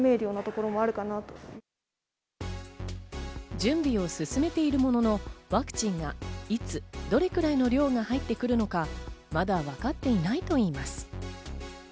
準備を進めているもののワクチンがいつどれくらいの量が入ってくるのか、まだ分かっていないといいます。